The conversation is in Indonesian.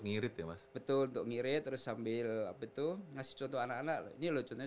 ngirit ya mas betul untuk ngirit terus sambil apa itu ngasih contoh anak anak ini lucunya